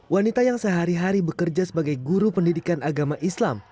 wanita yang sehari hari bekerja sebagai guru pendidikan agama islam